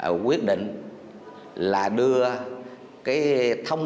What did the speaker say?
chúng tôi là quyết định đối tượng có bị thương